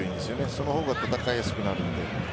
その方が戦いやすくなるんで。